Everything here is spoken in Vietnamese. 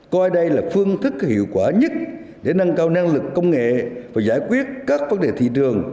coi đây là phương thức hiệu quả nhất để nâng cao năng lực công nghệ và giải quyết các vấn đề thị trường